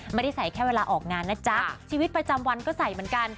ไม่ได้ใส่แค่เวลาออกงานนะจ๊ะชีวิตประจำวันก็ใส่เหมือนกัน